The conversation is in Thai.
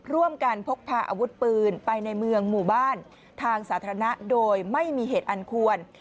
ร่วมกันพกพาอาวุธปืนไปในเมืองหมู่บ้านทางสาธารณะโดยไม่มีเหตุอันควร